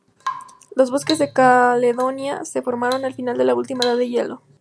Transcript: Los bosques de Caledonia se formaron al final de la última edad de hielo.